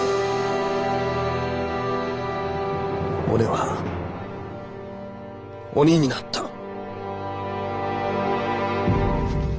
俺は鬼になった。